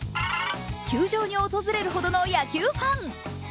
球場に訪れるほどの野球ファン。